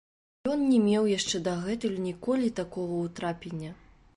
Ён не меў яшчэ дагэтуль ніколі такога ўтрапення.